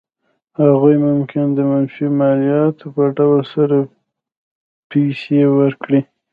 هغوی ممکن د منفي مالیاتو په ډول سره پیسې ورکړي.